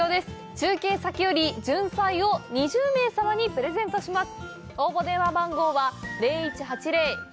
中継先より、ジュンサイを２０名様にプレゼントします。